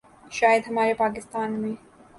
شاید ہمارے پاکستان میں